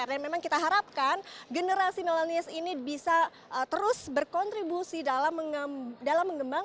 dan memang kita harapkan generasi milenial ini bisa terus berkontribusi dalam mengembangkan dan juga membantu